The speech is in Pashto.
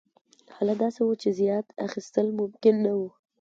حالت داسې و چې زیات اخیستل ممکن نه وو.